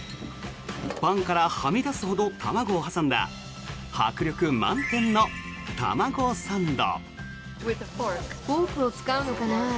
パンからはみ出すほど卵を挟んだ迫力満点の卵サンド。